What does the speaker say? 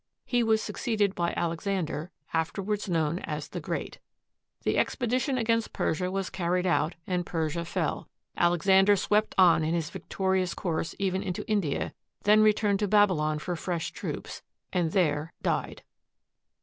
He was succeeded by Alexander, afterwards known as the Great. The expedition against Persia was carried out, and Persia fell. Alexander swept on in his victorious course even into India; then returned to Babylon for fresh troops, and there died.